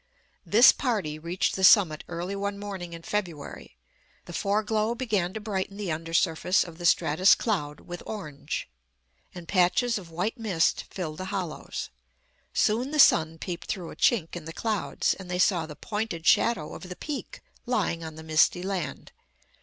This party reached the summit early one morning in February. The foreglow began to brighten the under surface of the stratus cloud with orange, and patches of white mist filled the hollows. Soon the sun peeped through a chink in the clouds, and they saw the pointed shadow of the Peak lying on the misty land.